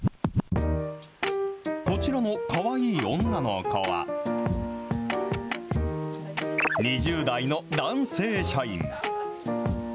こちらのかわいい女の子は、２０代の男性社員。